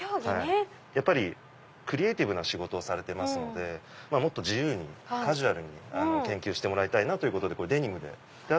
やっぱりクリエーティブな仕事をされてますのでもっと自由にカジュアルに研究してもらいたいとデニムで。